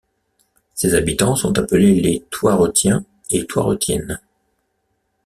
Ses habitants sont appelés les Thoiretiens et Thoiretiennes.